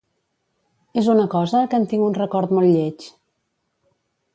És una cosa que en tinc un record molt lleig.